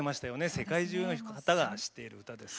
世界中の方が知っている歌です。